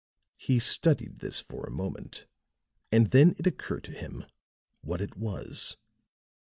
He studied this for a moment and then it occurred to him what it was.